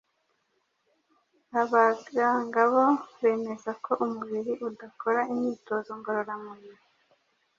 Abahanga bo bemeza ko umubiri udakora imyitozo ngororamubiri